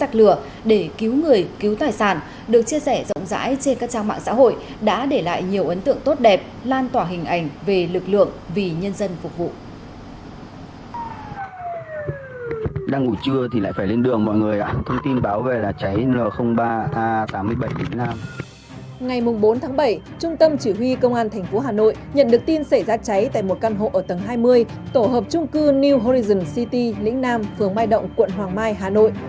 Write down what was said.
bảy trung tâm chỉ huy công an thành phố hà nội nhận được tin xảy ra cháy tại một căn hộ ở tầng hai mươi tổ hợp trung cư new horizon city lĩnh nam phường mai động quận hoàng mai hà nội